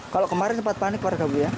kalau kemarin sempat panik pak raka bu ya